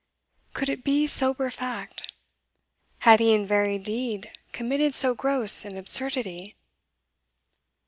Could it be sober fact? Had he in very deed committed so gross an absurdity?